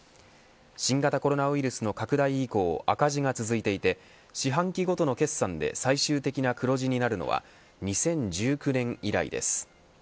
新型コロナウイルスの拡大以降赤字が続いていて四半期ごとの決算で最終的な黒字になるのは２０１９年以来です。